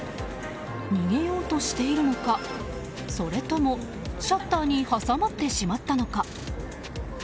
逃げようとしているのかそれともシャッターに挟まってしまったのか。